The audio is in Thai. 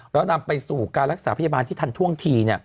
แล้วนำไปสู่การรักษาพยาบาลที่ทันท่วงที